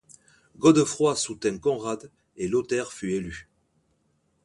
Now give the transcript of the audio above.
Godefroy soutint Conrad, et Lothaire fut élu.